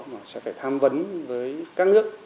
mà sẽ phải tham vấn với các nước